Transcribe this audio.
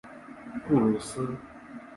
布鲁斯。